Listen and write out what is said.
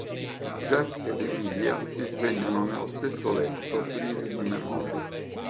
Jack ed Emilia si svegliano nello stesso letto privi di memoria.